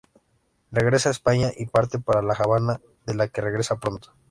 Regresa a España y parte para La Habana, de la que regresa pronto.